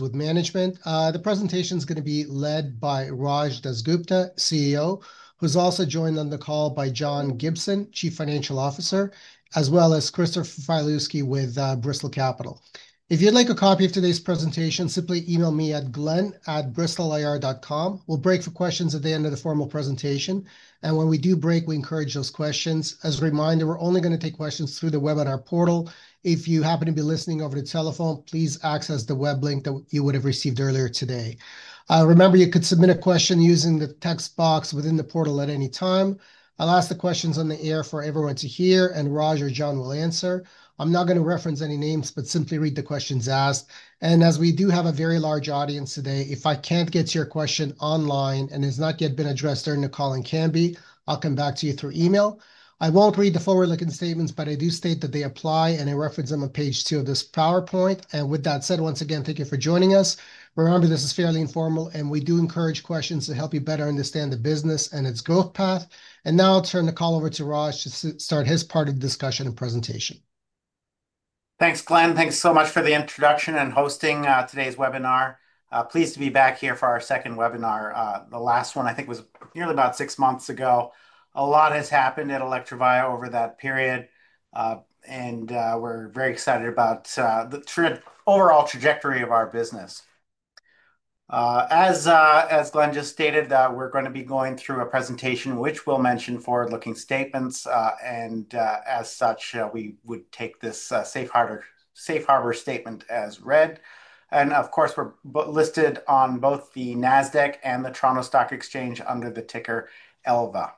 With management. The presentation is going to be led by Raj DasGupta, CEO, who's also joined on the call by John Gibson, Chief Financial Officer, as well as Christopher Filewski with Bristol Capital. If you'd like a copy of today's presentation, simply email me at glen@bristolir.com. We'll break for questions at the end of the formal presentation. When we do break, we encourage those questions. As a reminder, we're only going to take questions through the webinar portal. If you happen to be listening over the telephone, please access the web link that you would have received earlier today. Remember, you could submit a question using the text box within the portal at any time. I'll ask the questions on the air for everyone to hear, and Raj or John will answer. I'm not going to reference any names, but simply read the questions asked. As we do have a very large audience today, if I cannot get to your question online and it has not yet been addressed during the call and can be, I will come back to you through email. I will not read the forward-looking statements, but I do state that they apply, and I reference them on page two of this PowerPoint. With that said, once again, thank you for joining us. Remember, this is fairly informal, and we do encourage questions to help you better understand the business and its growth path. Now I will turn the call over to Raj to start his part of the discussion and presentation. Thanks, Glenn. Thanks so much for the introduction and hosting today's webinar. Pleased to be back here for our second webinar. The last one, I think, was nearly about six months ago. A lot has happened at Electrovaya over that period, and we're very excited about the overall trajectory of our business. As Glenn just stated, we're going to be going through a presentation which will mention forward-looking statements. As such, we would take this safe harbor statement as read. Of course, we're listed on both the NASDAQ and the Toronto Stock Exchange under the ticker ELVA.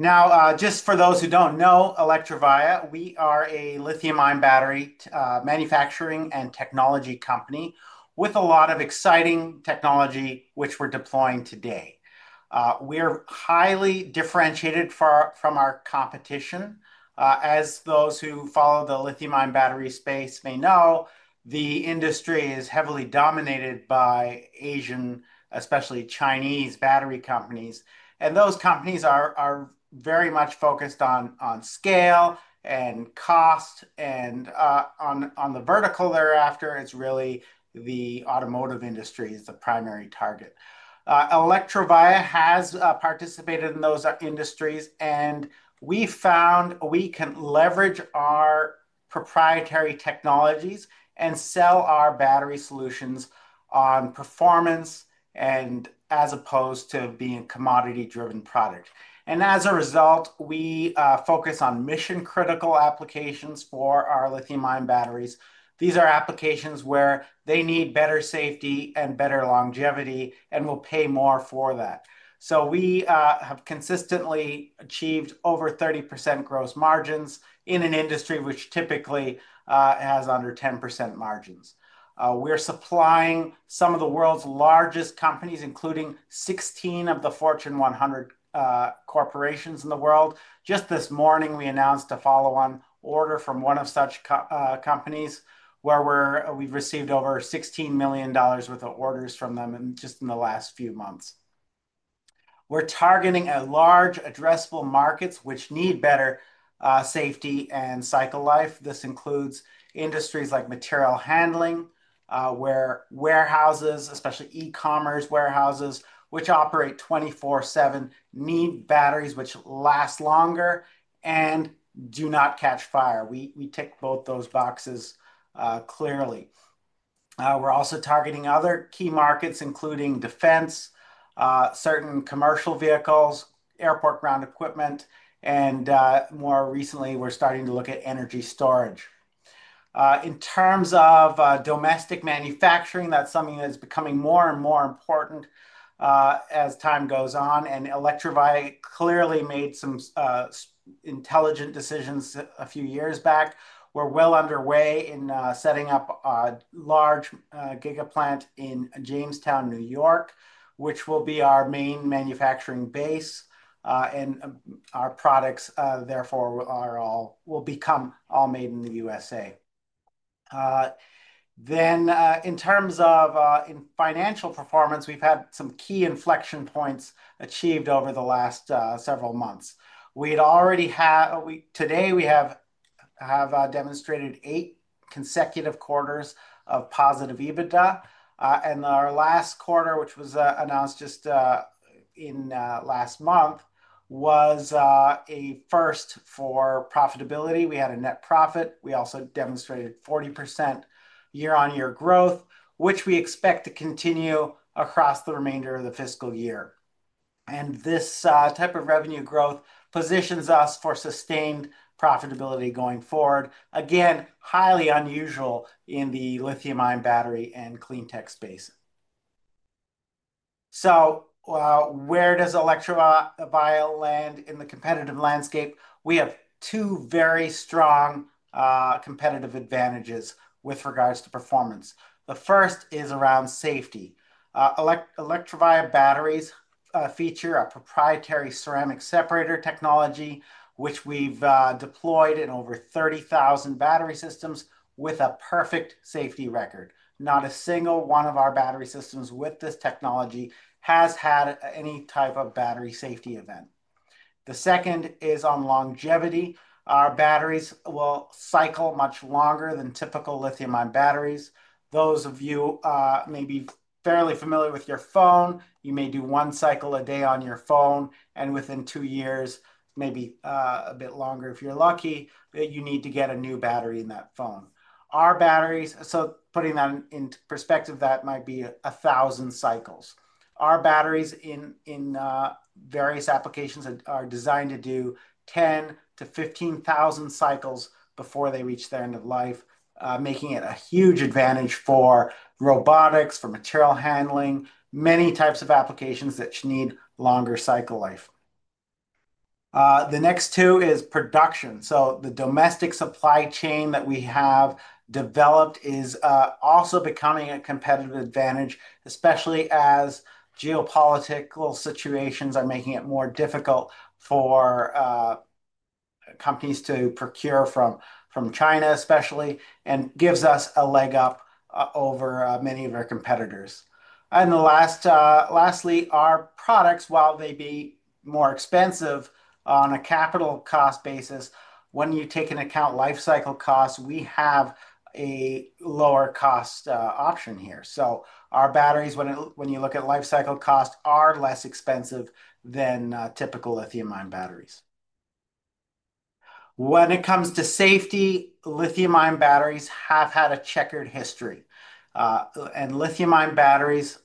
Now, just for those who don't know, Electrovaya, we are a lithium-ion battery manufacturing and technology company with a lot of exciting technology, which we're deploying today. We're highly differentiated from our competition. As those who follow the lithium-ion battery space may know, the industry is heavily dominated by Asian, especially Chinese battery companies. Those companies are very much focused on scale and cost. On the vertical thereafter, it's really the automotive industry that is the primary target. Electrovaya has participated in those industries, and we found we can leverage our proprietary technologies and sell our battery solutions on performance as opposed to being a commodity-driven product. As a result, we focus on mission-critical applications for our lithium-ion batteries. These are applications where they need better safety and better longevity and will pay more for that. We have consistently achieved over 30% gross margins in an industry which typically has under 10% margins. We are supplying some of the world's largest companies, including 16 of the Fortune 100 corporations in the world. Just this morning, we announced a follow-on order from one of such companies where we've received over $16 million worth of orders from them just in the last few months. We're targeting at large, addressable markets which need better safety and cycle life. This includes industries like material handling, where warehouses, especially e-commerce warehouses, which operate 24/7, need batteries which last longer and do not catch fire. We tick both those boxes clearly. We're also targeting other key markets, including defense, certain commercial vehicles, airport ground equipment, and more recently, we're starting to look at energy storage. In terms of domestic manufacturing, that's something that's becoming more and more important as time goes on. Electrovaya clearly made some intelligent decisions a few years back. We're well underway in setting up a large gigaplant in Jamestown, New York, which will be our main manufacturing base. Our products, therefore, will become all made in the U.S. In terms of financial performance, we've had some key inflection points achieved over the last several months. Today, we have demonstrated eight consecutive quarters of positive EBITDA. Our last quarter, which was announced just last month, was a first for profitability. We had a net profit. We also demonstrated 40% year-on-year growth, which we expect to continue across the remainder of the fiscal year. This type of revenue growth positions us for sustained profitability going forward. Again, highly unusual in the lithium-ion battery and cleantech space. Where does Electrovaya land in the competitive landscape? We have two very strong competitive advantages with regards to performance. The first is around safety. Electrovaya batteries feature a proprietary ceramic separator technology, which we've deployed in over 30,000 battery systems with a perfect safety record. Not a single one of our battery systems with this technology has had any type of battery safety event. The second is on longevity. Our batteries will cycle much longer than typical lithium-ion batteries. Those of you may be fairly familiar with your phone. You may do one cycle a day on your phone, and within two years, maybe a bit longer if you're lucky, that you need to get a new battery in that phone. Putting that into perspective, that might be 1,000 cycles. Our batteries in various applications are designed to do 10,000-15,000 cycles before they reach their end of life, making it a huge advantage for robotics, for material handling, many types of applications that need longer cycle life. The next two is production. The domestic supply chain that we have developed is also becoming a competitive advantage, especially as geopolitical situations are making it more difficult for companies to procure from China, especially, and gives us a leg up over many of our competitors. Lastly, our products, while they be more expensive on a capital cost basis, when you take into account lifecycle costs, we have a lower-cost option here. Our batteries, when you look at lifecycle cost, are less expensive than typical lithium-ion batteries. When it comes to safety, lithium-ion batteries have had a checkered history. Lithium-ion batteries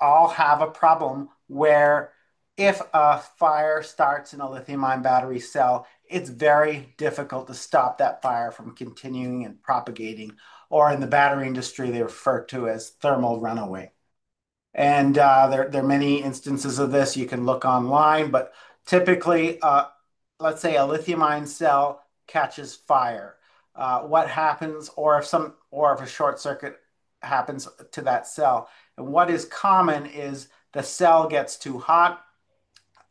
all have a problem where if a fire starts in a lithium-ion battery cell, it is very difficult to stop that fire from continuing and propagating. In the battery industry, they are referred to as thermal runaway. There are many instances of this. You can look online. Typically, let's say a lithium-ion cell catches fire. What happens, or if a short circuit happens to that cell? What is common is the cell gets too hot.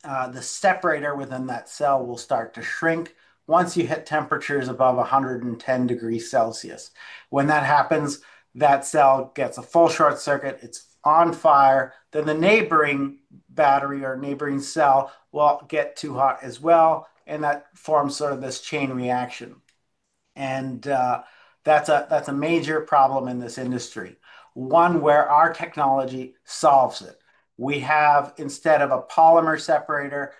The separator within that cell will start to shrink once you hit temperatures above 110 degrees Celsius. When that happens, that cell gets a full short circuit. It's on fire. The neighboring battery or neighboring cell will get too hot as well. That forms sort of this chain reaction. That is a major problem in this industry, one where our technology solves it. We have, instead of a polymer separator,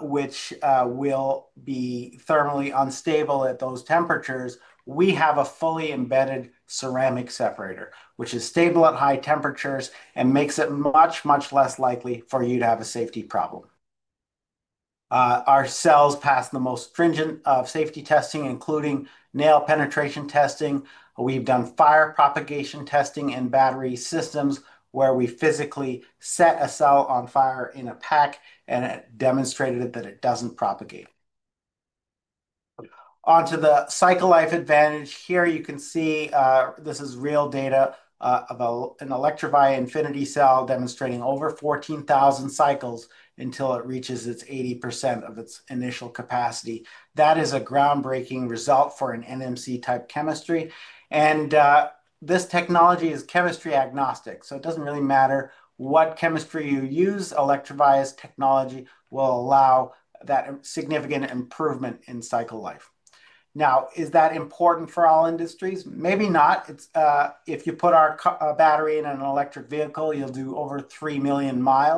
which will be thermally unstable at those temperatures, a fully embedded ceramic separator, which is stable at high temperatures and makes it much, much less likely for you to have a safety problem. Our cells pass the most stringent of safety testing, including nail penetration testing. We've done fire propagation testing in battery systems where we physically set a cell on fire in a pack and demonstrated that it doesn't propagate. Onto the cycle life advantage. Here you can see this is real data of an Electrovaya Infinity cell demonstrating over 14,000 cycles until it reaches its 80% of its initial capacity. That is a groundbreaking result for an NMC-type chemistry. This technology is chemistry agnostic. It doesn't really matter what chemistry you use. Electrovaya's technology will allow that significant improvement in cycle life. Now, is that important for all industries? Maybe not. If you put our battery in an electric vehicle, you'll do over 3 million mi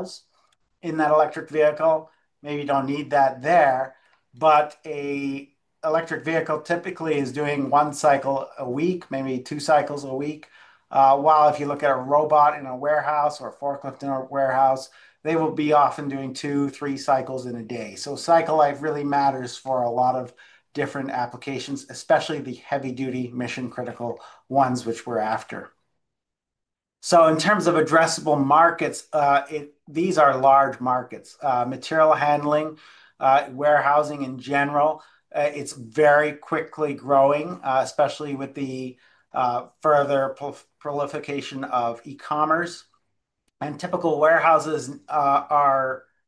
in that electric vehicle. Maybe you don't need that there. An electric vehicle typically is doing one cycle a week, maybe two cycles a week. While if you look at a robot in a warehouse or a forklift in a warehouse, they will be often doing two, three cycles in a day. Cycle life really matters for a lot of different applications, especially the heavy-duty mission-critical ones which we're after. In terms of addressable markets, these are large markets. Material handling, warehousing in general, it's very quickly growing, especially with the further prolification of e-commerce. Typical warehouses,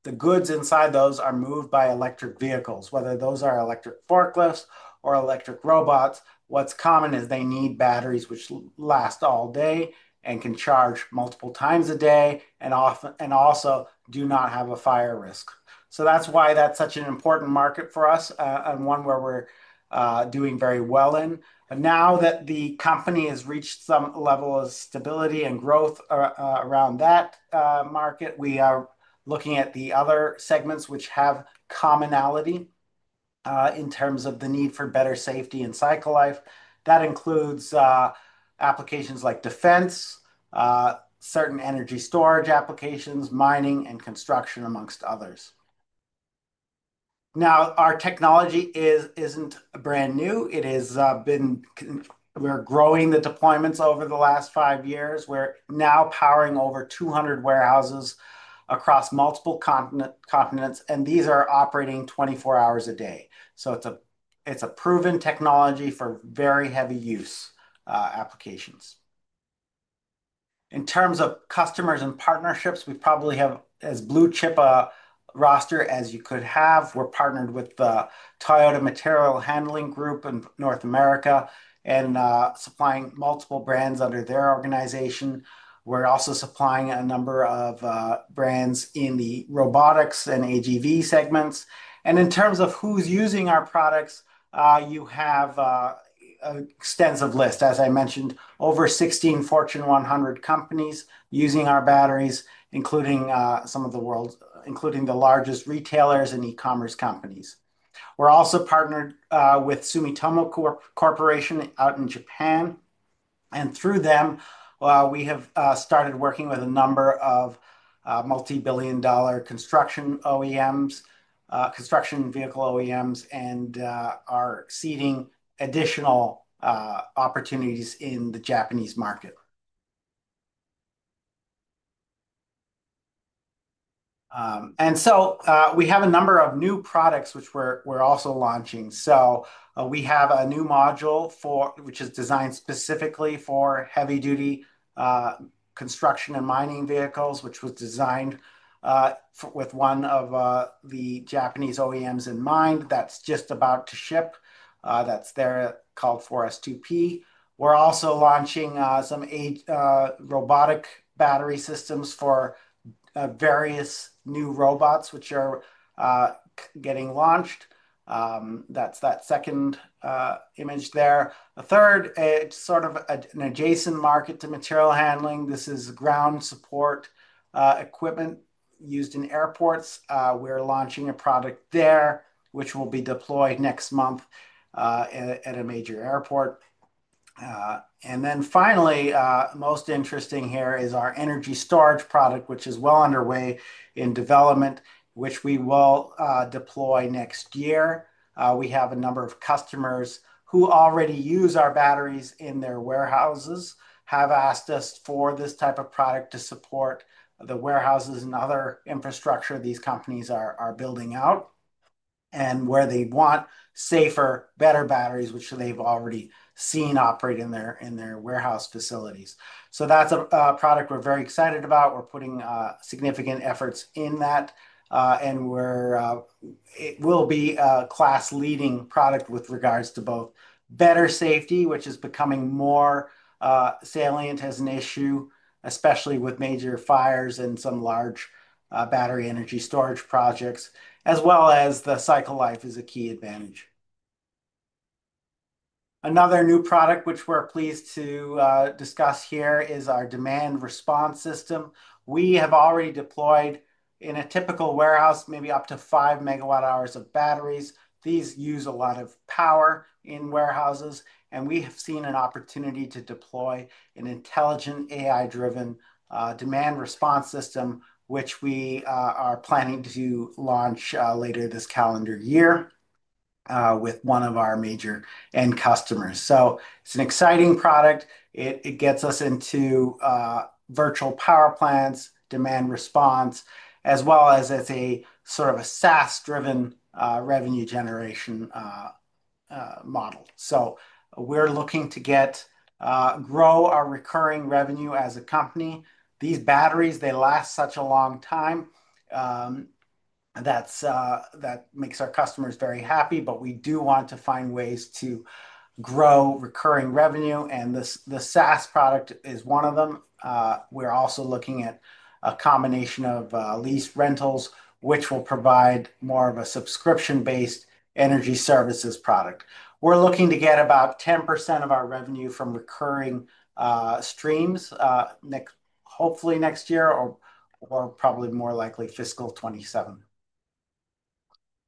the goods inside those are moved by electric vehicles. Whether those are electric forklifts or electric robots, what's common is they need batteries which last all day and can charge multiple times a day and also do not have a fire risk. That's why that's such an important market for us and one where we're doing very well in. Now that the company has reached some level of stability and growth around that market, we are looking at the other segments which have commonality in terms of the need for better safety and cycle life. That includes applications like defense, certain energy storage applications, mining, and construction, amongst others. Now, our technology is not brand new. We are growing the deployments over the last five years. We are now powering over 200 warehouses across multiple continents. These are operating 24 hours a day. It is a proven technology for very heavy-use applications. In terms of customers and partnerships, we probably have as blue chip a roster as you could have. We are partnered with the Toyota Material Handling Group in North America and supplying multiple brands under their organization. We are also supplying a number of brands in the robotics and AGV segments. In terms of who's using our products, you have an extensive list. As I mentioned, over 16 Fortune 100 companies using our batteries, including some of the world's largest retailers and e-commerce companies. We are also partnered with Sumitomo Corporation out in Japan. Through them, we have started working with a number of multi-billion-dollar construction OEMs, construction vehicle OEMs, and are seeding additional opportunities in the Japanese market. We have a number of new products which we are also launching. We have a new module which is designed specifically for heavy-duty construction and mining vehicles, which was designed with one of the Japanese OEMs in mind. That is just about to ship. That is called Forest 2P. We are also launching some robotic battery systems for various new robots which are getting launched. That is that second image there. A third, it is sort of an adjacent market to material handling. This is ground support equipment used in airports. We are launching a product there which will be deployed next month at a major airport. Finally, most interesting here is our energy storage product, which is well underway in development, which we will deploy next year. We have a number of customers who already use our batteries in their warehouses who have asked us for this type of product to support the warehouses and other infrastructure these companies are building out and where they want safer, better batteries, which they have already seen operate in their warehouse facilities. That is a product we are very excited about. We are putting significant efforts in that. It will be a class-leading product with regards to both better safety, which is becoming more salient as an issue, especially with major fires in some large battery energy storage projects, as well as the cycle life is a key advantage. Another new product which we're pleased to discuss here is our demand response system. We have already deployed in a typical warehouse maybe up to 5 megawatt-hours of batteries. These use a lot of power in warehouses. We have seen an opportunity to deploy an intelligent AI-driven demand response system, which we are planning to launch later this calendar year with one of our major end customers. It is an exciting product. It gets us into virtual power plants, demand response, as well as it's a sort of a SaaS-driven revenue generation model. We are looking to grow our recurring revenue as a company. These batteries, they last such a long time. That makes our customers very happy. We do want to find ways to grow recurring revenue. The SaaS product is one of them. We are also looking at a combination of lease rentals, which will provide more of a subscription-based energy services product. We are looking to get about 10% of our revenue from recurring streams hopefully next year or probably more likely fiscal 2027.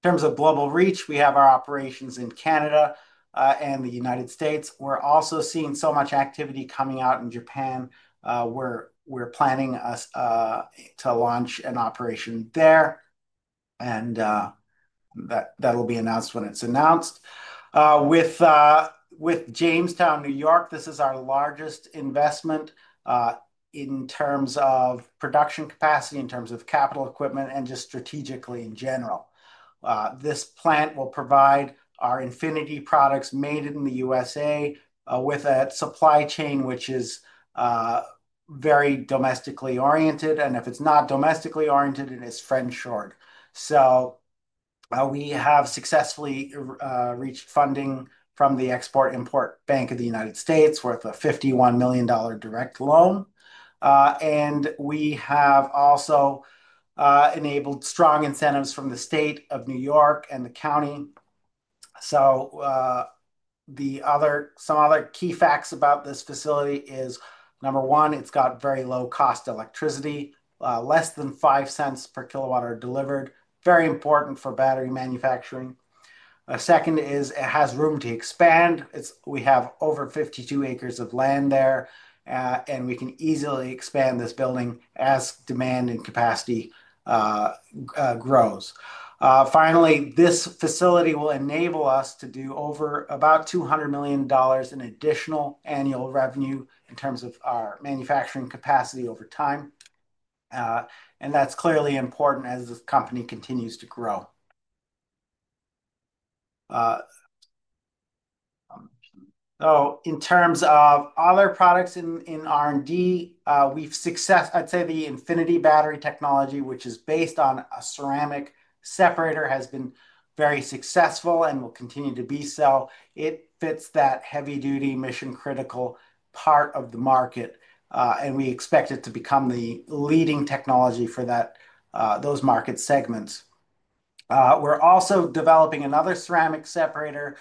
In terms of global reach, we have our operations in Canada and the United States. We are also seeing so much activity coming out in Japan. We are planning to launch an operation there. That will be announced when it is announced. With Jamestown, New York, this is our largest investment in terms of production capacity, in terms of capital equipment, and just strategically in general. This plant will provide our Infinity products made in the U.S. with a supply chain which is very domestically oriented. If it is not domestically oriented, it is friend-shored. We have successfully reached funding from the Export-Import Bank of the United States worth a $51 million direct loan. We have also enabled strong incentives from the state of New York and the county. Some other key facts about this facility are, number one, it has very low-cost electricity, less than $0.05 per kilowatt-hour delivered, very important for battery manufacturing. Second is it has room to expand. We have over 52 acres of land there. We can easily expand this building as demand and capacity grow. Finally, this facility will enable us to do over about $200 million in additional annual revenue in terms of our manufacturing capacity over time. That is clearly important as this company continues to grow. In terms of other products in R&D, I'd say the Infinity Battery Technology, which is based on a ceramic separator, has been very successful and will continue to be so. It fits that heavy-duty mission-critical part of the market. We expect it to become the leading technology for those market segments. We are also developing another ceramic separator.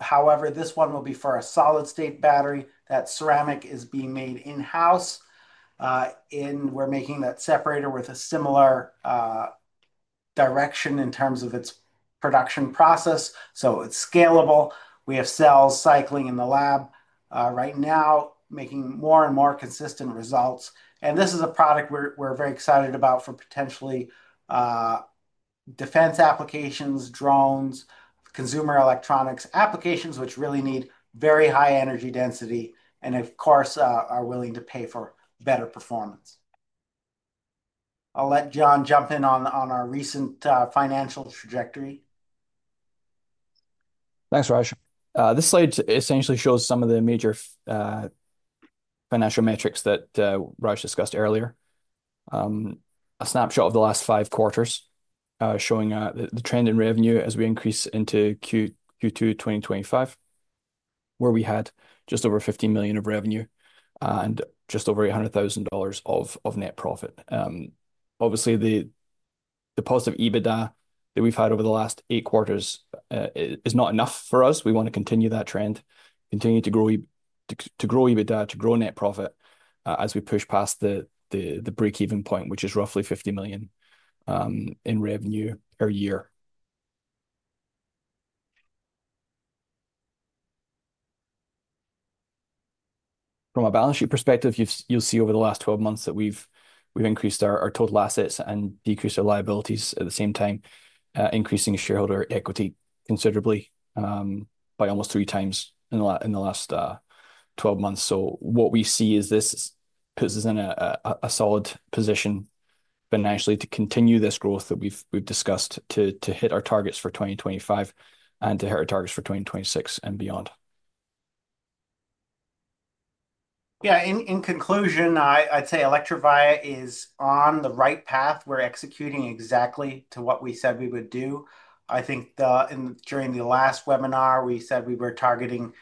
However, this one will be for a solid-state battery. That ceramic is being made in-house. We are making that separator with a similar direction in terms of its production process, so it is scalable. We have cells cycling in the lab right now, making more and more consistent results. This is a product we're very excited about for potentially defense applications, drones, consumer electronics applications, which really need very high energy density and, of course, are willing to pay for better performance. I'll let John jump in on our recent financial trajectory. Thanks, Raj. This slide essentially shows some of the major financial metrics that Raj discussed earlier. A snapshot of the last five quarters showing the trend in revenue as we increase into Q2 2025, where we had just over $50 million of revenue and just over $100,000 of net profit. Obviously, the positive EBITDA that we've had over the last eight quarters is not enough for us. We want to continue that trend, continue to grow EBITDA, to grow net profit as we push past the break-even point, which is roughly $50 million in revenue per year. From a balance sheet perspective, you'll see over the last 12 months that we've increased our total assets and decreased our liabilities at the same time, increasing shareholder equity considerably by almost three times in the last 12 months. What we see is this puts us in a solid position financially to continue this growth that we've discussed to hit our targets for 2025 and to hit our targets for 2026 and beyond. Yeah. In conclusion, I'd say Electrovaya is on the right path. We're executing exactly to what we said we would do. I think during the last webinar, we said we were targeting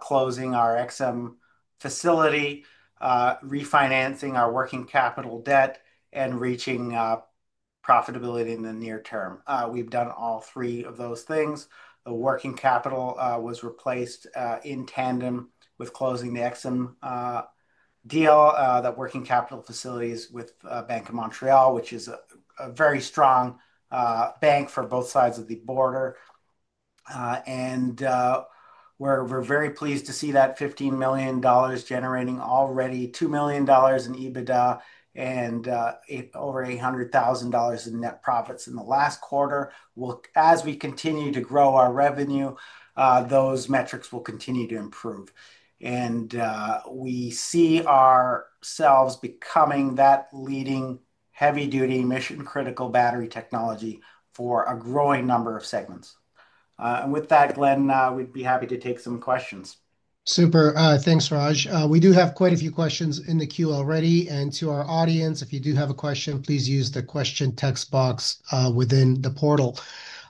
closing our EXIM facility, refinancing our working capital debt, and reaching profitability in the near term. We've done all three of those things. The working capital was replaced in tandem with closing the EXIM deal, that working capital facilities with Bank of Montreal, which is a very strong bank for both sides of the border. We are very pleased to see that $15 million generating already $2 million in EBITDA and over $800,000 in net profits in the last quarter. As we continue to grow our revenue, those metrics will continue to improve. We see ourselves becoming that leading heavy-duty mission-critical battery technology for a growing number of segments. With that, Glenn, we would be happy to take some questions. Super. Thanks, Raj. We do have quite a few questions in the queue already. To our audience, if you do have a question, please use the question text box within the portal.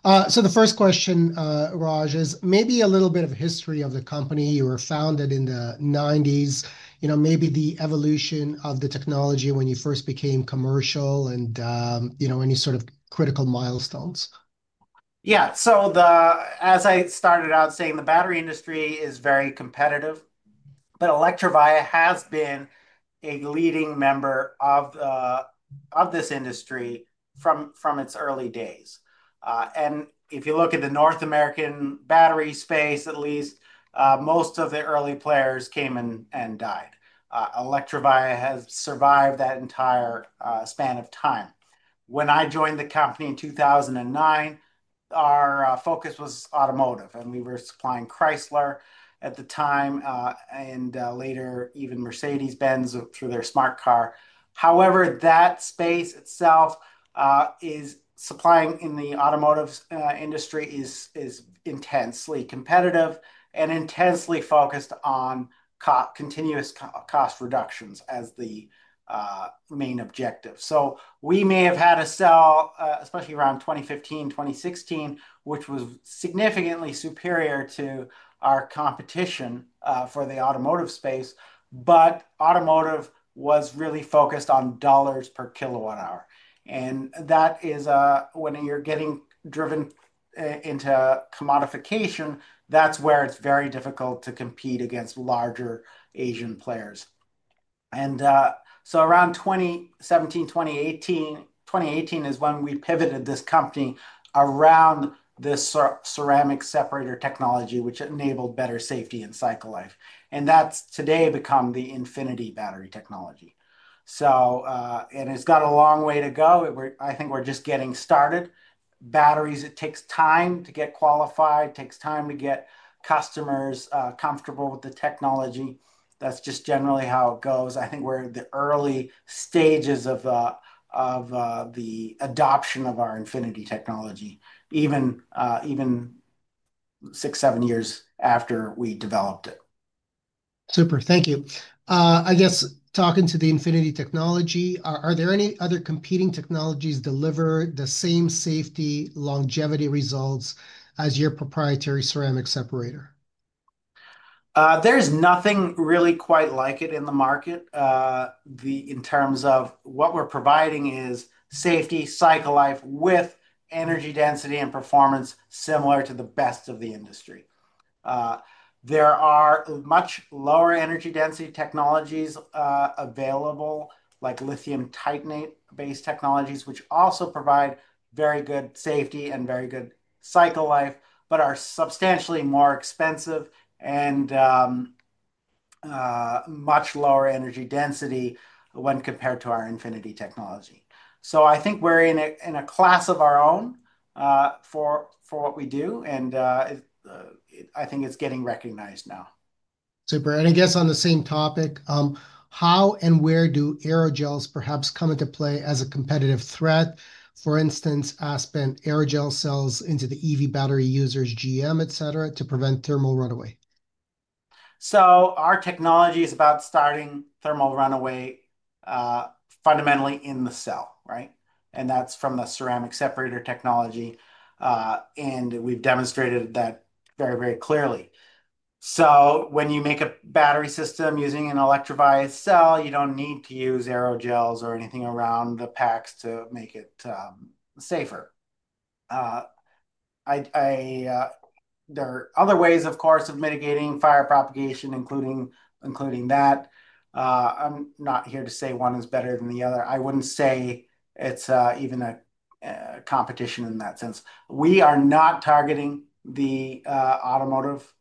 The first question, Raj, is maybe a little bit of history of the company. You were founded in the 1990s. Maybe the evolution of the technology when you first became commercial and any sort of critical milestones. Yeah. As I started out saying, the battery industry is very competitive. Electrovaya has been a leading member of this industry from its early days. If you look at the North American battery space, at least most of the early players came and died. Electrovaya has survived that entire span of time. When I joined the company in 2009, our focus was automotive. We were supplying Chrysler at the time and later even Mercedes-Benz through their smart car. However, that space itself is supplying in the automotive industry is intensely competitive and intensely focused on continuous cost reductions as the main objective. We may have had a sell, especially around 2015, 2016, which was significantly superior to our competition for the automotive space. Automotive was really focused on dollars per kilowatt-hour. That is when you are getting driven into commodification, and that is where it is very difficult to compete against larger Asian players. Around 2017, 2018, 2018 is when we pivoted this company around this ceramic separator technology, which enabled better safety and cycle life. That has today become the Infinity Battery Technology. It has got a long way to go. I think we are just getting started. Batteries, it takes time to get qualified. It takes time to get customers comfortable with the technology. That is just generally how it goes. I think we are in the early stages of the adoption of our Infinity technology, even six, seven years after we developed it. Super. Thank you. I guess talking to the Infinity technology, are there any other competing technologies deliver the same safety, longevity results as your proprietary ceramic separator? There's nothing really quite like it in the market in terms of what we're providing is safety, cycle life with energy density and performance similar to the best of the industry. There are much lower energy density technologies available, like lithium titanate-based technologies, which also provide very good safety and very good cycle life, but are substantially more expensive and much lower energy density when compared to our Infinity technology. I think we're in a class of our own for what we do. I think it's getting recognized now. Super. I guess on the same topic, how and where do aerogels perhaps come into play as a competitive threat? For instance, Aspen Aerogels sells into the EV battery users, GM, etc., to prevent thermal runaway. Our technology is about stopping thermal runaway fundamentally in the cell, right? That is from the ceramic separator technology. We have demonstrated that very, very clearly. When you make a battery system using an Electrovaya cell, you do not need to use aerogels or anything around the packs to make it safer. There are other ways, of course, of mitigating fire propagation, including that. I am not here to say one is better than the other. I would not say it is even a competition in that sense. We are not targeting the automotive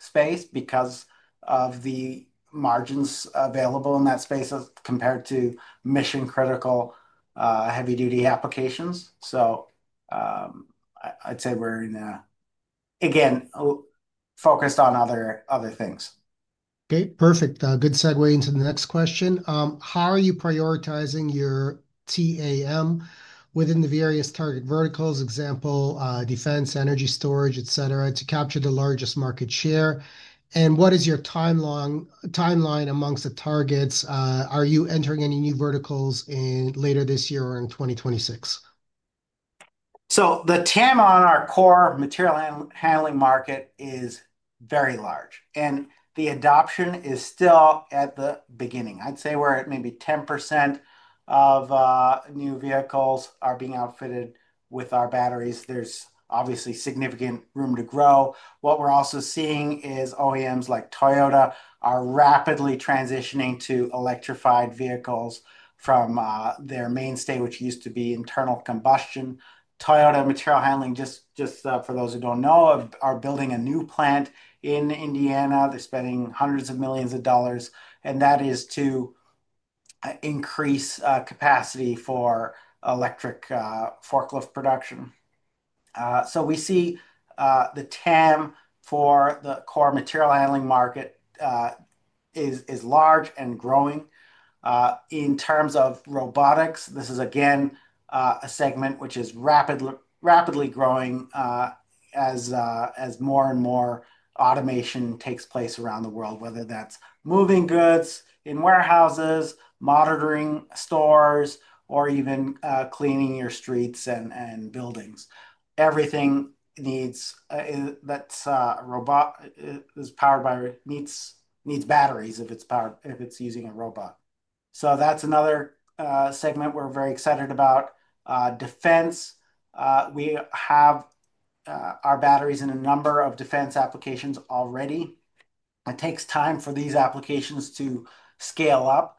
space because of the margins available in that space compared to mission-critical heavy-duty applications. I would say we are, again, focused on other things. Okay. Perfect. Good segue into the next question. How are you prioritizing your TAM within the various target verticals, example, defense, energy storage, etc., to capture the largest market share? What is your timeline amongst the targets? Are you entering any new verticals later this year or in 2026? The TAM on our core material handling market is very large. The adoption is still at the beginning. I'd say we're at maybe 10% of new vehicles being outfitted with our batteries. There's obviously significant room to grow. What we're also seeing is OEMs like Toyota are rapidly transitioning to electrified vehicles from their mainstay, which used to be internal combustion. Toyota Material Handling, just for those who do not know, are building a new plant in Indiana. They're spending hundreds of millions of dollars. That is to increase capacity for electric forklift production. We see the TAM for the core material handling market is large and growing. In terms of robotics, this is, again, a segment which is rapidly growing as more and more automation takes place around the world, whether that's moving goods in warehouses, monitoring stores, or even cleaning your streets and buildings. Everything that's powered by needs batteries if it's using a robot. That's another segment we're very excited about. Defense, we have our batteries in a number of defense applications already. It takes time for these applications to scale up.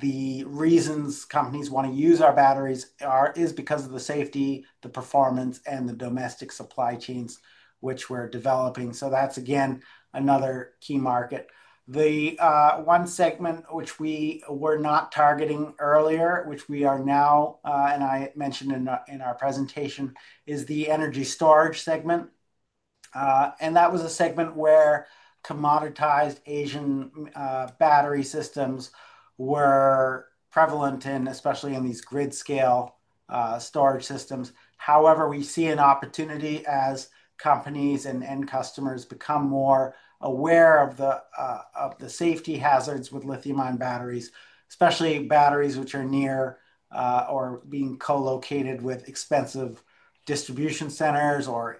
The reasons companies want to use our batteries is because of the safety, the performance, and the domestic supply chains which we're developing. That's, again, another key market. The one segment which we were not targeting earlier, which we are now, and I mentioned in our presentation, is the energy storage segment. That was a segment where commoditized Asian battery systems were prevalent, especially in these grid-scale storage systems. However, we see an opportunity as companies and customers become more aware of the safety hazards with lithium-ion batteries, especially batteries which are near or being co-located with expensive distribution centers or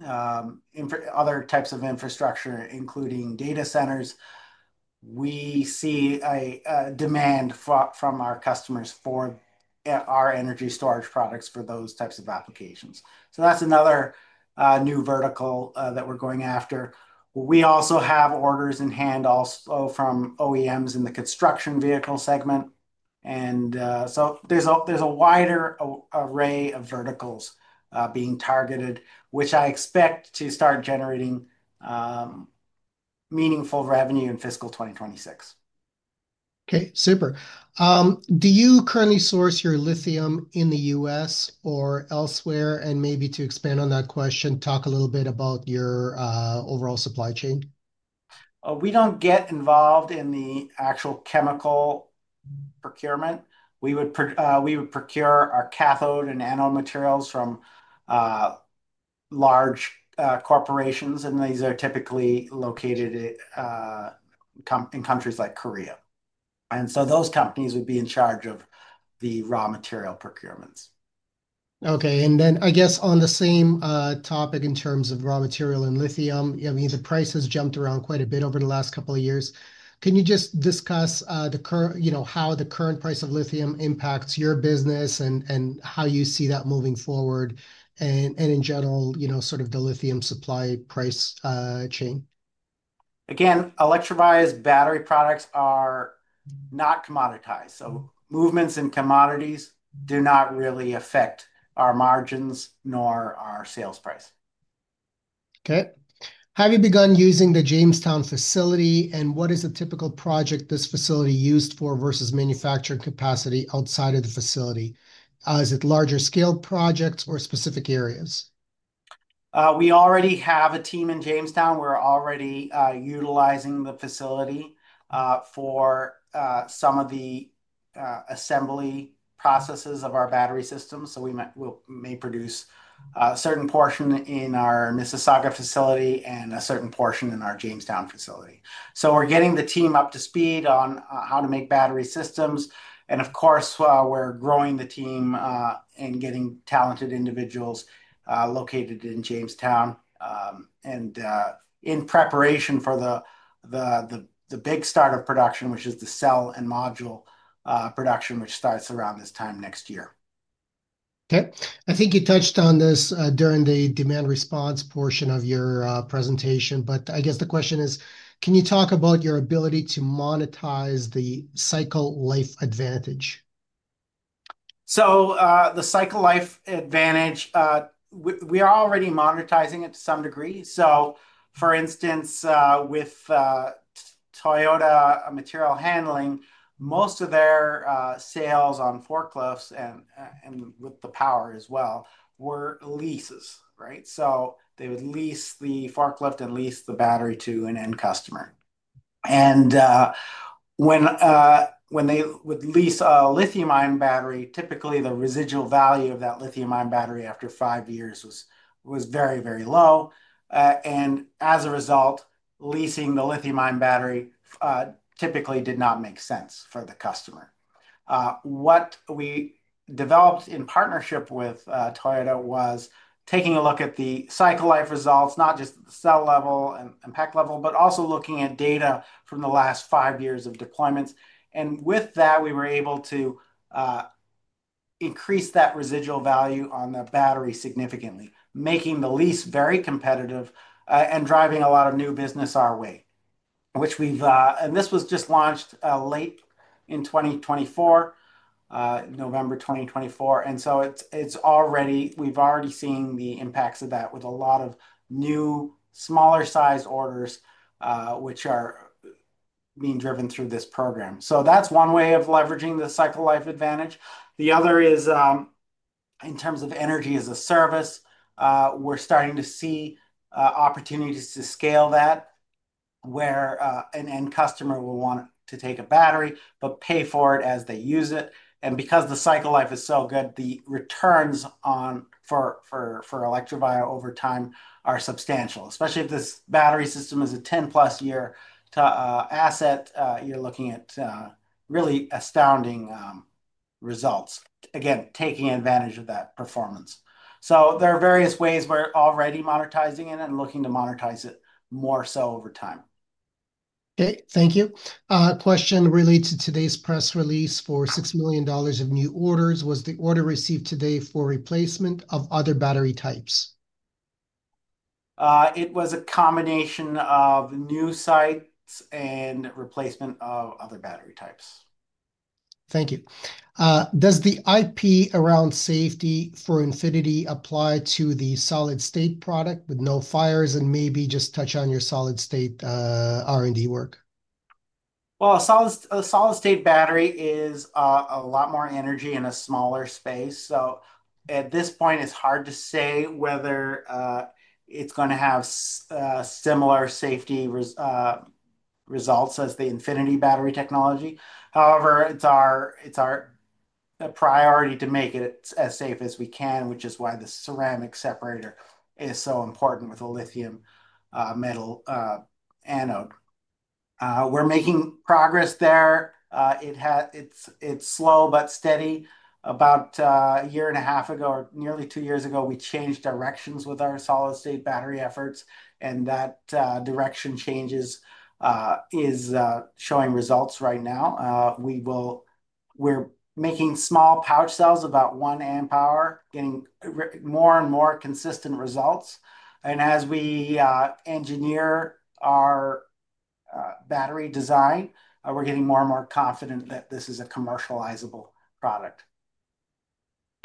other types of infrastructure, including data centers. We see a demand from our customers for our energy storage products for those types of applications. That is another new vertical that we are going after. We also have orders in hand from OEMs in the construction vehicle segment. There is a wider array of verticals being targeted, which I expect to start generating meaningful revenue in fiscal 2026. Okay. Super. Do you currently source your lithium in the U.S. or elsewhere? Maybe to expand on that question, talk a little bit about your overall supply chain. We don't get involved in the actual chemical procurement. We would procure our cathode and anode materials from large corporations. These are typically located in countries like Korea. Those companies would be in charge of the raw material procurements. Okay. I guess, on the same topic in terms of raw material and lithium, I mean, the price has jumped around quite a bit over the last couple of years. Can you just discuss how the current price of lithium impacts your business and how you see that moving forward and, in general, sort of the lithium supply price chain? Again, Electrovaya's battery products are not commoditized. Movements in commodities do not really affect our margins nor our sales price. Okay. Have you begun using the Jamestown facility? What is a typical project this facility is used for versus manufacturing capacity outside of the facility? Is it larger-scale projects or specific areas? We already have a team in Jamestown. We're already utilizing the facility for some of the assembly processes of our battery systems. We may produce a certain portion in our Mississauga facility and a certain portion in our Jamestown facility. We're getting the team up to speed on how to make battery systems. Of course, we're growing the team and getting talented individuals located in Jamestown in preparation for the big start of production, which is the cell and module production, which starts around this time next year. Okay. I think you touched on this during the demand response portion of your presentation. I guess the question is, can you talk about your ability to monetize the cycle life advantage? The cycle life advantage, we are already monetizing it to some degree. For instance, with Toyota Material Handling, most of their sales on forklifts and with the power as well were leases, right? They would lease the forklift and lease the battery to an end customer. When they would lease a lithium-ion battery, typically the residual value of that lithium-ion battery after five years was very, very low. As a result, leasing the lithium-ion battery typically did not make sense for the customer. What we developed in partnership with Toyota was taking a look at the cycle life results, not just at the cell level and pack level, but also looking at data from the last five years of deployments. With that, we were able to increase that residual value on the battery significantly, making the lease very competitive and driving a lot of new business our way. This was just launched late in 2024, November 2024. We have already seen the impacts of that with a lot of new smaller-sized orders which are being driven through this program. That is one way of leveraging the cycle life advantage. The other is in terms of energy as a service, we are starting to see opportunities to scale that where an end customer will want to take a battery but pay for it as they use it. Because the cycle life is so good, the returns for Electrovaya over time are substantial, especially if this battery system is a 10-plus-year asset. You are looking at really astounding results, again, taking advantage of that performance. There are various ways we are already monetizing it and looking to monetize it more so over time. Thank you. Question relates to today's press release for $6 million of new orders. Was the order received today for replacement of other battery types? It was a combination of new sites and replacement of other battery types. Thank you. Does the IP around safety for Infinity apply to the solid-state product with no fires and maybe just touch on your solid-state R&D work? A solid-state battery is a lot more energy in a smaller space. At this point, it's hard to say whether it's going to have similar safety results as the Infinity Battery Technology. However, it's our priority to make it as safe as we can, which is why the ceramic separator is so important with a lithium metal anode. We're making progress there. It's slow but steady. About a year and a half ago or nearly two years ago, we changed directions with our solid-state battery efforts. That direction change is showing results right now. We're making small pouch cells about one amp hour, getting more and more consistent results. As we engineer our battery design, we're getting more and more confident that this is a commercializable product.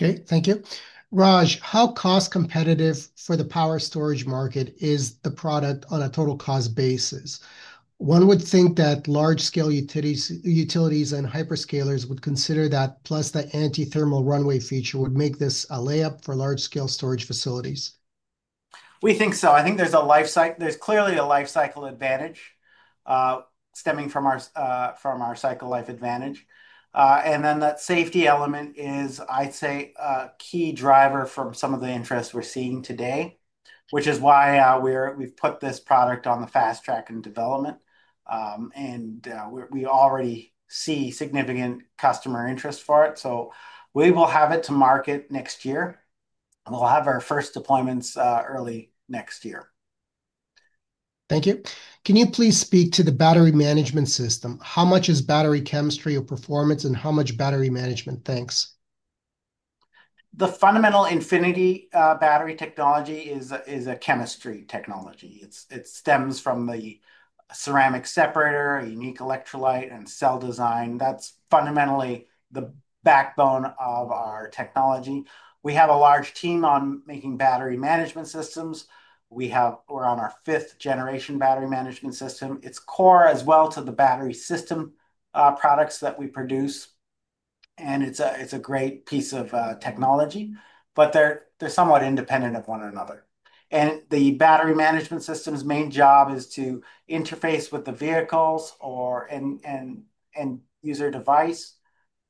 Okay. Thank you. Raj, how cost-competitive for the power storage market is the product on a total cost basis? One would think that large-scale utilities and hyperscalers would consider that, plus the anti-thermal runaway feature, would make this a layup for large-scale storage facilities. We think so. I think there's clearly a life cycle advantage stemming from our cycle life advantage. That safety element is, I'd say, a key driver from some of the interest we're seeing today, which is why we've put this product on the fast track in development. We already see significant customer interest for it. We will have it to market next year. We'll have our first deployments early next year. Thank you. Can you please speak to the battery management system? How much is battery chemistry or performance, and how much battery management? Thanks. The fundamental Infinity Battery Technology is a chemistry technology. It stems from the ceramic separator, unique electrolyte, and cell design. That's fundamentally the backbone of our technology. We have a large team on making battery management systems. We're on our fifth-generation battery management system. It's core as well to the battery system products that we produce. It's a great piece of technology, but they're somewhat independent of one another. The battery management system's main job is to interface with the vehicles and user device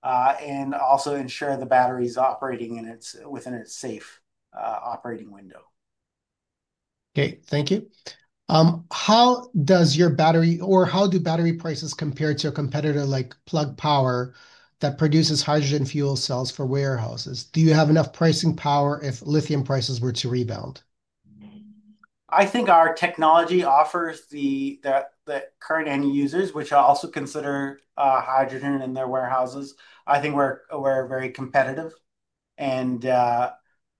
and also ensure the battery's operating within its safe operating window. Okay. Thank you. How does your battery or how do battery prices compare to a competitor like Plug Power that produces hydrogen fuel cells for warehouses? Do you have enough pricing power if lithium prices were to rebound? I think our technology offers the current end users, which also consider hydrogen in their warehouses, I think we're very competitive. They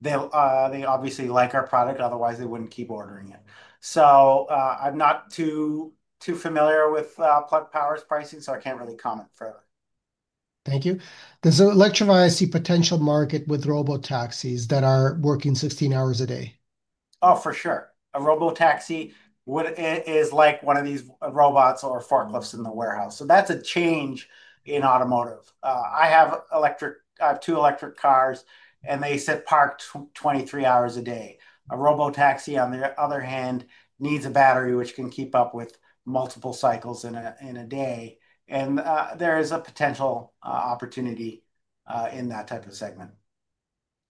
obviously like our product. Otherwise, they wouldn't keep ordering it. I'm not too familiar with Plug Power's pricing, so I can't really comment further. Thank you. Does Electrovaya see potential market with robotaxis that are working 16 hours a day? Oh, for sure. A robotaxi is like one of these robots or forklifts in the warehouse. That's a change in automotive. I have two electric cars, and they sit parked 23 hours a day. A robotaxi, on the other hand, needs a battery which can keep up with multiple cycles in a day. And there is a potential opportunity in that type of segment.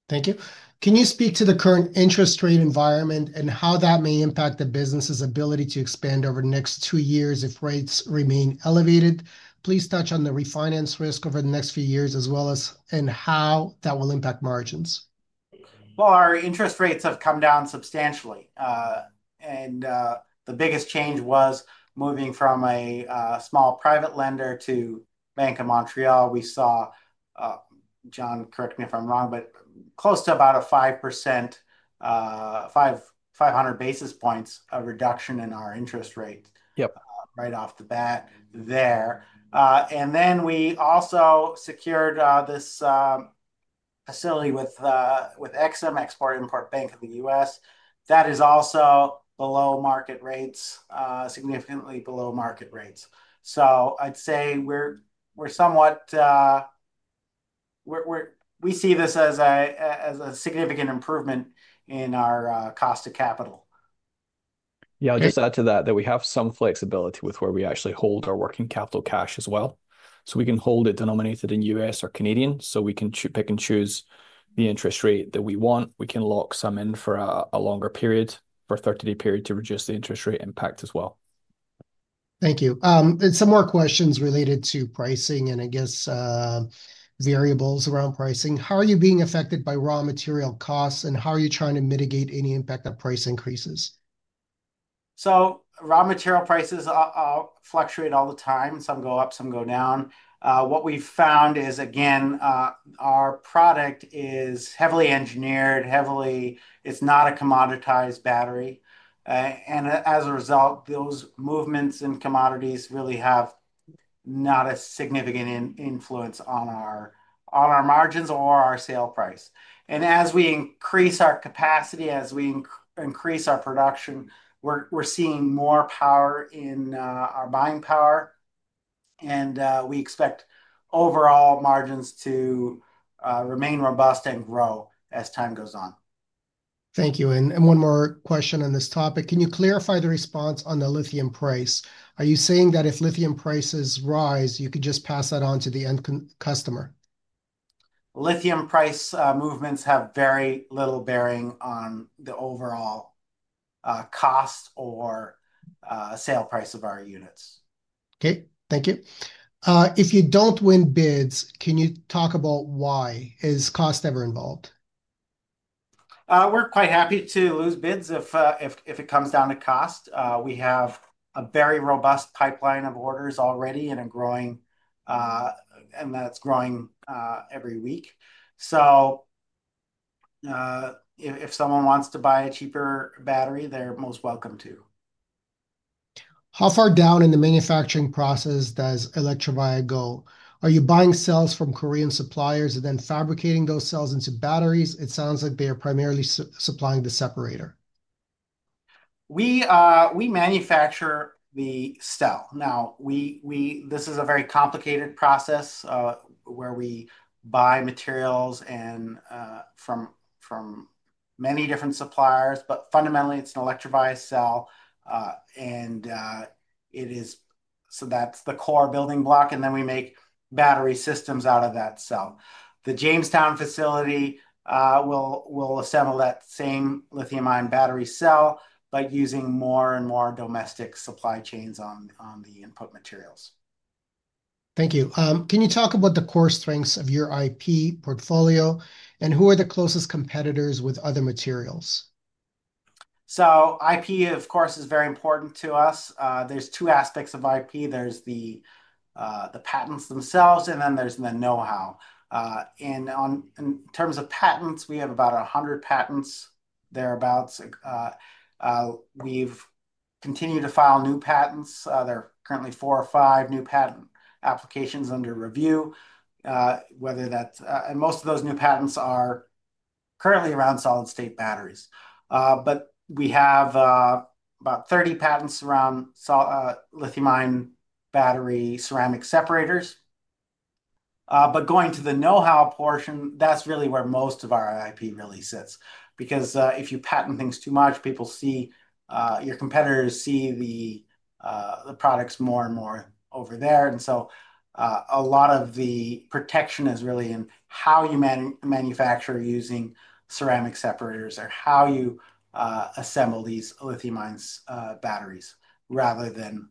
Thank you. Can you speak to the current interest rate environment and how that may impact the business's ability to expand over the next two years if rates remain elevated? Please touch on the refinance risk over the next few years as well as how that will impact margins. Our interest rates have come down substantially. The biggest change was moving from a small private lender to Bank of Montreal. We saw, John, correct me if I'm wrong, but close to about a 500 basis points reduction in our interest rate right off the bat there. We also secured this facility with Export-Import Bank of the United States. That is also below market rates, significantly below market rates. I'd say we see this as a significant improvement in our cost of capital. Yeah. I'll just add to that that we have some flexibility with where we actually hold our working capital cash as well. We can hold it denominated in US or Canadian. We can pick and choose the interest rate that we want. We can lock some in for a longer period, for a 30-day period, to reduce the interest rate impact as well. Thank you. Some more questions related to pricing and, I guess, variables around pricing. How are you being affected by raw material costs, and how are you trying to mitigate any impact of price increases? Raw material prices fluctuate all the time. Some go up, some go down. What we've found is, again, our product is heavily engineered. It's not a commoditized battery. As a result, those movements in commodities really have not a significant influence on our margins or our sale price. As we increase our capacity, as we increase our production, we're seeing more power in our buying power. We expect overall margins to remain robust and grow as time goes on. Thank you. One more question on this topic. Can you clarify the response on the lithium price? Are you saying that if lithium prices rise, you could just pass that on to the end customer? Lithium price movements have very little bearing on the overall cost or sale price of our units. Okay. Thank you. If you don't win bids, can you talk about why? Is cost ever involved? We're quite happy to lose bids if it comes down to cost. We have a very robust pipeline of orders already and that's growing every week. If someone wants to buy a cheaper battery, they're most welcome to. How far down in the manufacturing process does Electrovaya go? Are you buying cells from Korean suppliers and then fabricating those cells into batteries? It sounds like they are primarily supplying the separator. We manufacture the cell. Now, this is a very complicated process where we buy materials from many different suppliers. Fundamentally, it's an Electrovaya cell. That is the core building block. We make battery systems out of that cell. The Jamestown facility will assemble that same lithium-ion battery cell by using more and more domestic supply chains on the input materials. Thank you. Can you talk about the core strengths of your IP portfolio and who are the closest competitors with other materials? IP, of course, is very important to us. There are two aspects of IP. There are the patents themselves, and then there is the know-how. In terms of patents, we have about 100 patents, thereabouts. We have continued to file new patents. There are currently four or five new patent applications under review, and most of those new patents are currently around solid-state batteries. We have about 30 patents around lithium-ion battery ceramic separators. Going to the know-how portion, that is really where most of our IP really sits. If you patent things too much, your competitors see the products more and more over there. A lot of the protection is really in how you manufacture using ceramic separators or how you assemble these lithium-ion batteries rather than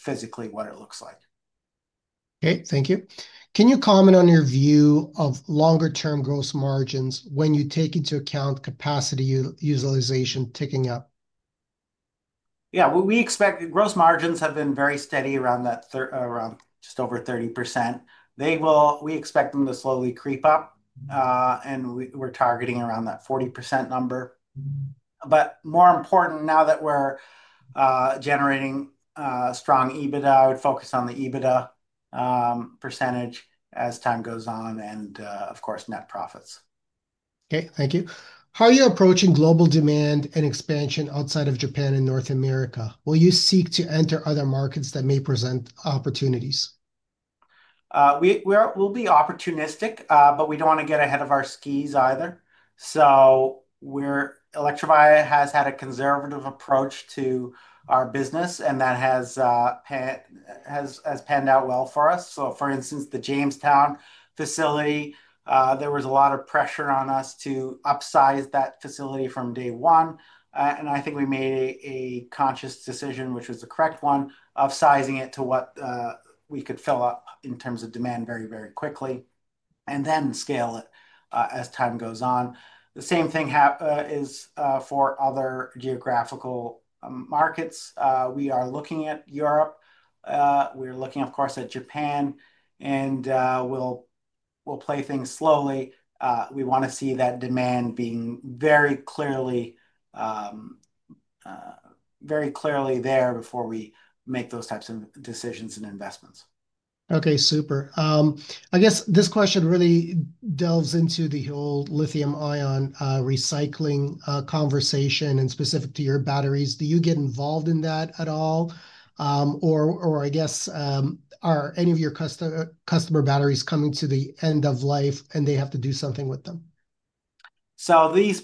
physically what it looks like. Okay. Thank you. Can you comment on your view of longer-term gross margins when you take into account capacity utilization ticking up? Yeah. We expect gross margins have been very steady around just over 30%. We expect them to slowly creep up, and we're targeting around that 40% number. More important now that we're generating strong EBITDA, I would focus on the EBITDA percentage as time goes on and, of course, net profits. Okay. Thank you. How are you approaching global demand and expansion outside of Japan and North America? Will you seek to enter other markets that may present opportunities? We'll be opportunistic, but we don't want to get ahead of our skis either. Electrovaya has had a conservative approach to our business, and that has panned out well for us. For instance, the Jamestown facility, there was a lot of pressure on us to upsize that facility from day one. I think we made a conscious decision, which was the correct one, of sizing it to what we could fill up in terms of demand very, very quickly and then scale it as time goes on. The same thing is for other geographical markets. We are looking at Europe. We are looking, of course, at Japan. We will play things slowly. We want to see that demand being very clearly there before we make those types of decisions and investments. Okay. Super. I guess this question really delves into the whole lithium-ion recycling conversation and specific to your batteries. Do you get involved in that at all? Or I guess, are any of your customer batteries coming to the end of life, and they have to do something with them? So the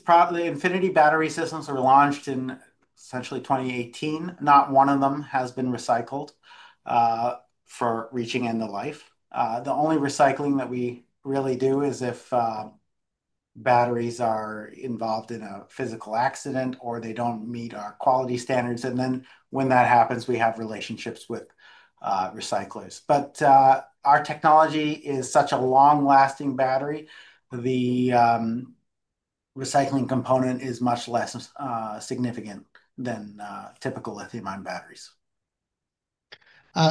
Infinity battery systems were launched in essentially 2018. Not one of them has been recycled for reaching end of life. The only recycling that we really do is if batteries are involved in a physical accident or they don't meet our quality standards. When that happens, we have relationships with recyclers. Our technology is such a long-lasting battery, the recycling component is much less significant than typical lithium-ion batteries.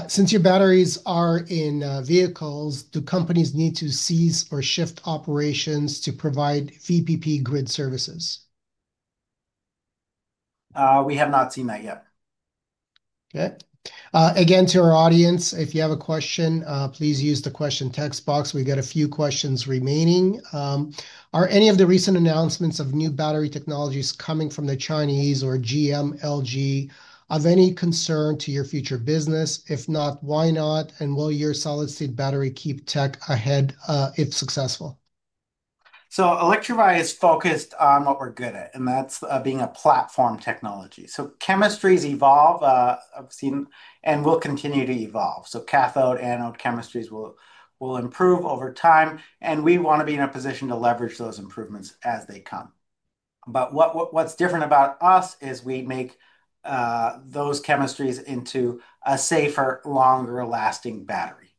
Since your batteries are in vehicles, do companies need to seize or shift operations to provide VPP grid services? We have not seen that yet. Okay. Again, to our audience, if you have a question, please use the question text box. We've got a few questions remaining. Are any of the recent announcements of new battery technologies coming from the Chinese or GM, LG of any concern to your future business? If not, why not? And will your solid-state battery keep tech ahead if successful? Electrovaya is focused on what we're good at, and that's being a platform technology. Chemistries evolve, and will continue to evolve. Cathode-anode chemistries will improve over time. We want to be in a position to leverage those improvements as they come. What's different about us is we make those chemistries into a safer, longer-lasting battery.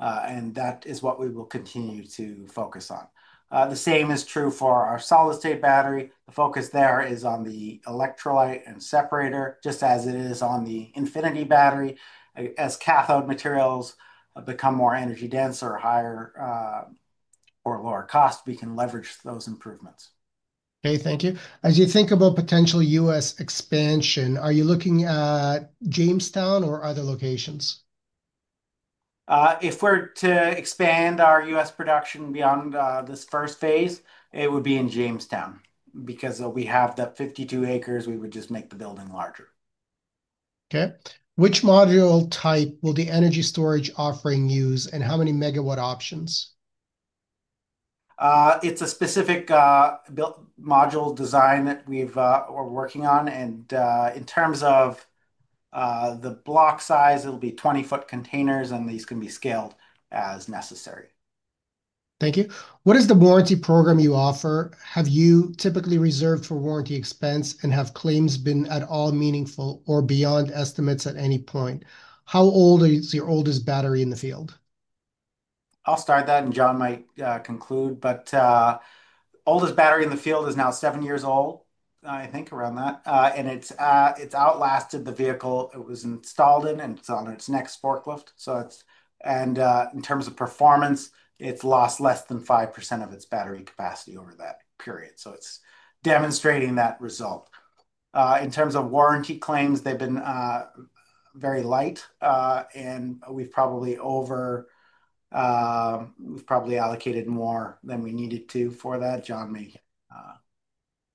That is what we will continue to focus on. The same is true for our solid-state battery. The focus there is on the electrolyte and separator, just as it is on the Infinity battery. As cathode materials become more energy-dense or lower cost, we can leverage those improvements. Okay. Thank you. As you think about potential U.S. expansion, are you looking at Jamestown or other locations? If we're to expand our U.S. production beyond this first phase, it would be in Jamestown because we have the 52 acres. We would just make the building larger. Okay. Which module type will the energy storage offering use and how many megawatt options? It's a specific module design that we're working on. In terms of the block size, it'll be 20-foot containers, and these can be scaled as necessary. Thank you. What is the warranty program you offer? Have you typically reserved for warranty expense and have claims been at all meaningful or beyond estimates at any point? How old is your oldest battery in the field? I'll start that, and John might conclude. The oldest battery in the field is now seven years old, I think, around that. It's outlasted the vehicle it was installed in, and it's on its next forklift. In terms of performance, it's lost less than 5% of its battery capacity over that period. It's demonstrating that result. In terms of warranty claims, they've been very light. We've probably allocated more than we needed to for that. John may.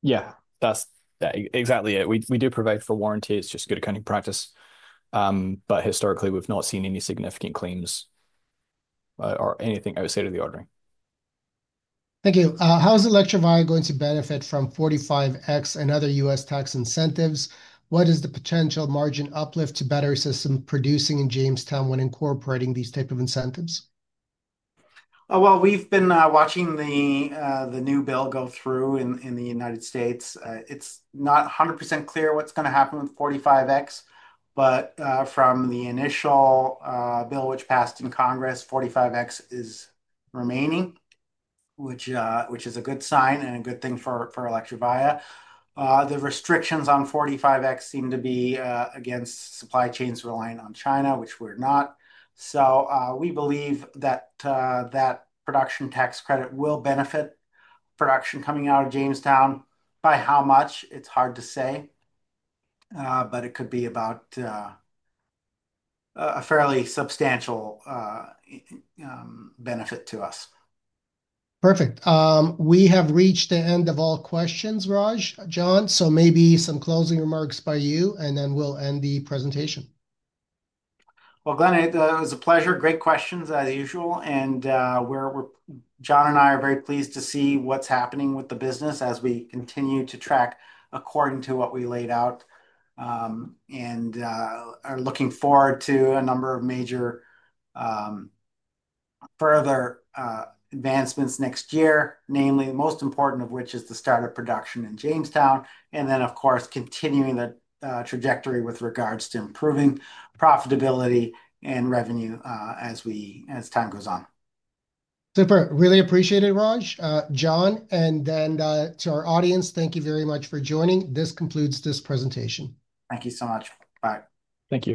Yeah. That's exactly it. We do provide for warranty. It's just good accounting practice. Historically, we've not seen any significant claims or anything outside of the ordering. Thank you. How is Electrovaya going to benefit from 45X and other U.S. tax incentives? What is the potential margin uplift to battery system producing in Jamestown when incorporating these types of incentives? We've been watching the new bill go through in the United States. It's not 100% clear what's going to happen with 45X. From the initial bill which passed in Congress, 45X is remaining, which is a good sign and a good thing for Electrovaya. The restrictions on 45X seem to be against supply chains relying on China, which we are not. We believe that that production tax credit will benefit production coming out of Jamestown. By how much? It is hard to say. It could be about a fairly substantial benefit to us. Perfect. We have reached the end of all questions, Raj, John. Maybe some closing remarks by you, and then we will end the presentation. Glenn, it was a pleasure. Great questions, as usual. John and I are very pleased to see what is happening with the business as we continue to track according to what we laid out. We are looking forward to a number of major further advancements next year, namely the most important of which is the start of production in Jamestown. Of course, continuing the trajectory with regards to improving profitability and revenue as time goes on. Super. Really appreciate it, Raj, John. To our audience, thank you very much for joining. This concludes this presentation. Thank you so much. Bye. Thank you.